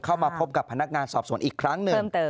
เข้ามาพบกับพนักงานสอบสวนอีกครั้งหนึ่ง